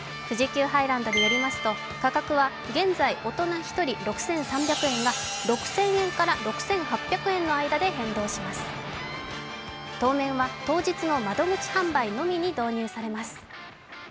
富士急ハイランドによりますと価格は現在、大人１人６３００円が６０００円から６８００円の間で変動しまする当面は、当日の窓口販売のみに導入されます。